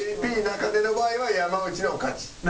ＡＰ中根の場合は山内の勝ち。